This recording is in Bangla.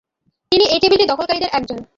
তিনি এই টেবিলটি দখলকারীদের একজন।